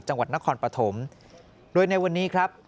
จังหวัดนครปฐมโดยในวันนี้ครับ